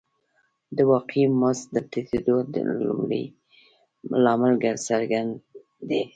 د واقعي مزد د ټیټېدو لومړنی لامل څرګند دی